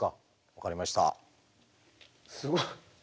分かりました。